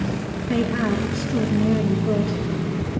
They are extraordinarily good.